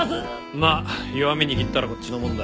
まあ弱み握ったらこっちのもんだ。